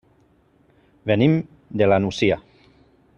Venim de la Nucia.